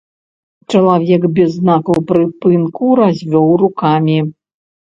Чалавек без знакаў прыпынку развёў рукамі.